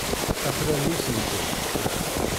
Afran n usentel.